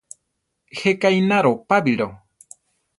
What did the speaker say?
Jéka ináro Pabilo.